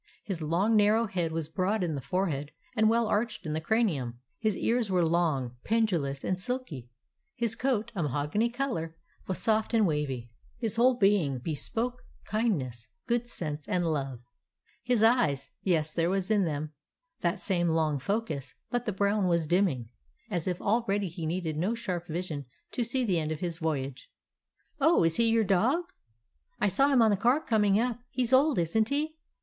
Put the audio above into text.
His long, narrow head was broad in the forehead and well arched in the cranium; his ears were long, pendulous, and silky; his coat, a mahogany color, was soft and wavy; and his whole being bespoke kindness, good sense, and love. His eyes — yes, there was in them that same long focus, but the brown was dimming, as if already he needed no sharp vision to see the end of his voyage. "Oh, is he your dog? I saw him on the car coming up. He 's old, is n't he?"